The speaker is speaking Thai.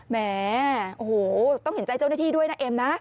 แหมโอ้โหต้องเห็นใจเจ้าหน้าที่ด้วยนะเอ็มนะ